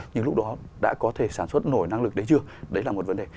nhưng lúc đó đã có thể sản xuất nổi năng lực đấy chưa đấy là một vấn đề